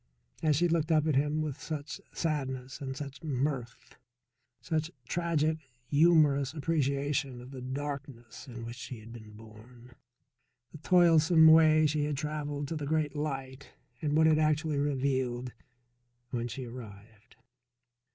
And she looked up at him with such sadness and such mirth such tragic, humorous appreciation of the darkness in which she had been born, the toilsome way she had travelled to the Great Light and what it actually revealed when she arrived.